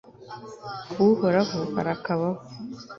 uhoraho arakabaho